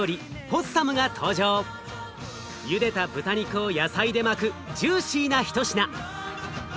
ゆでた豚肉を野菜で巻くジューシーな一品。